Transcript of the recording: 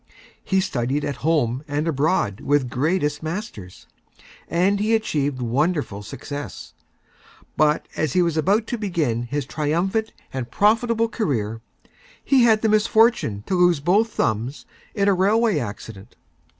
He studied at Home and Abroad with Greatest Masters, and he Achieved Wonderful Success. But as he was about to Begin his Triumphant and Profitable Career, he had the Misfortune to lose both Thumbs in a Railway Accident.